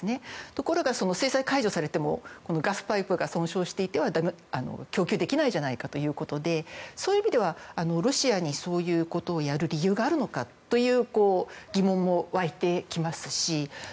ところが、制裁解除されてもガスパイプが損傷していては供給できないじゃないかということでそういう意味ではロシアにそういうことをやる理由があるのかという疑問も湧いてきますし。